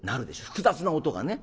複雑な音がね。